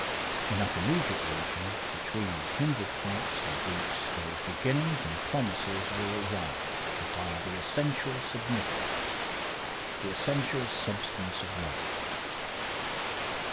In that intermediate region between the kindred heights and deeps those beginnings and promises will arise that are the essential significance, the essential substance, of life.